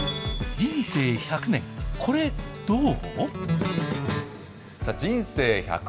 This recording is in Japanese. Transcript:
人生１００年、コレどう！？